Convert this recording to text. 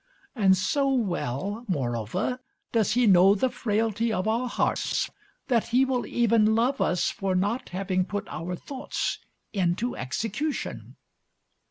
And so well, moreover, does He know the frailty of our hearts, that He will even love us for not having put our thoughts into execution."